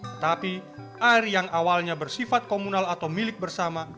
tetapi air yang awalnya bersifat komunal atau milik bersama